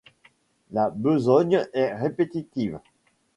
La besogne est répétitive.